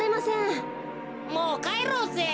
もうかえろうぜ。